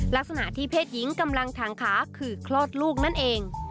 ลักษณะที่เพศหญิงกำลังทางขาคือคลอดลูกนั่นเอง